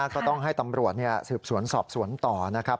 ก็ต้องให้ตำรวจสืบสวนสอบสวนต่อนะครับ